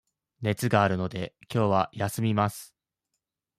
熱があるので、きょうは休みます。